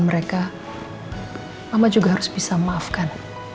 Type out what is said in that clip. mama juga harus bisa memaafkan